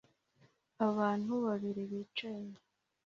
Abantu babiri bicaye